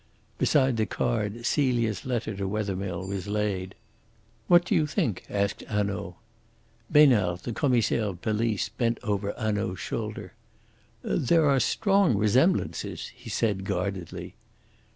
Beside the card Celia's letter to Wethermill was laid. "What do you think?" asked Hanaud. Besnard, the Commissaire of Police, bent over Hanaud's shoulder. "There are strong resemblances," he said guardedly.